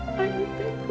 ayah ini bego